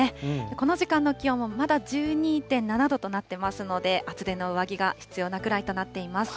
この時間の気温もまだ１２．７度となっていますので、厚手の上着が必要なくらいとなっています。